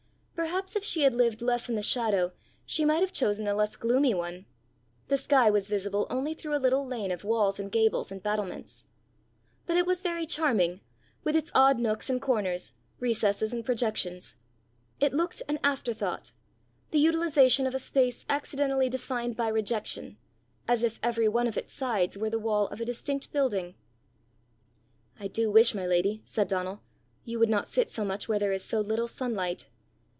Perhaps if she had lived less in the shadow, she might have chosen a less gloomy one: the sky was visible only through a little lane of walls and gables and battlements. But it was very charming, with its odd nooks and corners, recesses and projections. It looked an afterthought, the utilization of a space accidentally defined by rejection, as if every one of its sides were the wall of a distinct building. "I do wish, my lady," said Donal, "you would not sit so much where is so little sunlight!